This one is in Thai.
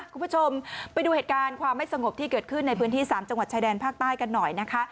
คุณผู้ชมไปดูเหตุการณ์ความไม่สงบที่เกิดขึ้นในพื้นที่๓จังหวัดชายแดนภาคใต้กันหน่อยนะคะ